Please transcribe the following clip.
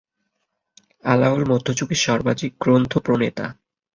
আলাওল মধ্যযুগের সর্বাধিক গ্রন্থপ্রণেতা।